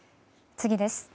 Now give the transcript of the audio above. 次です。